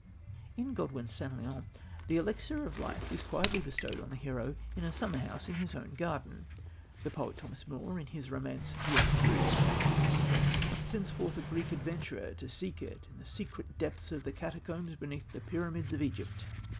In Godwin's St. Leon the elixir of life is quietly bestowed on the hero in a summer house in his own garden. The poet, Thomas Moore, in his romance, The Epicurean (1827), sends forth a Greek adventurer to seek it in the secret depths of the catacombs beneath the pyramids of Egypt.